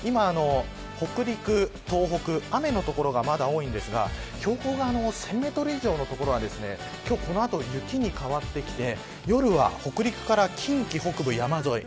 北陸、東北雨の所がまだ多いんですが標高が１０００メートル以上の所は今日この後、雪に変わってきて夜は北陸から近畿北部山沿い